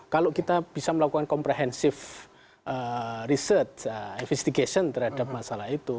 kalau kita bisa melakukan research terhadap masalah itu